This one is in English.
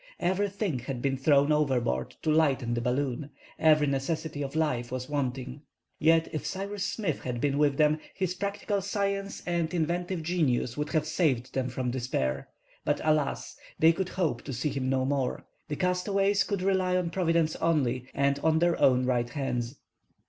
Every thing had been thrown overboard to lighten the balloon. Every necessary of life was wanting! Yet if Cyrus Smith had been with them, his practical science and inventive genius would have saved them from despair. But, alas! they could hope to see him no more. The castaways could rely on Providence only, and on their own right hands.